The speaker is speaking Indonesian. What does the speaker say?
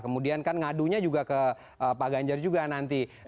kemudian kan ngadunya juga ke pak ganjar juga nanti